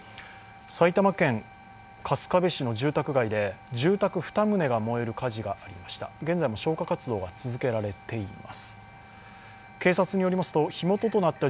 埼玉県春日部市の住宅街で住宅２棟が燃える火事がありました